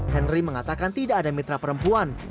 henry mengatakan tidak ada mitra perempuan